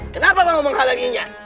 kenapa mau menghalanginya